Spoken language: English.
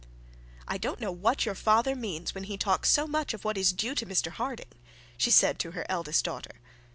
'I don't know what your father means when he talks so much of what is due to Mr Harding,' she said to her eldest daughter.